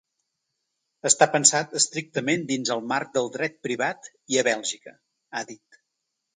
Està pensat estrictament dins el marc del dret privat i a Bèlgica, ha dit.